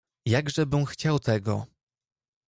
"Jakżebym chciał tego!"